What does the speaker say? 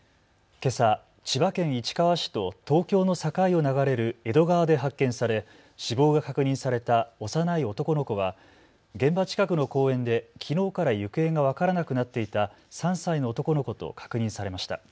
けさ千葉県市川市と東京の境を流れる江戸川で発見され、死亡が確認された幼い男の子は現場近くの公園できのうから行方が分からなくなっていた３歳の男の子と確認されました。